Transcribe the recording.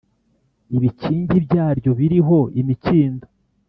ibikingi byaryo biriho imikindo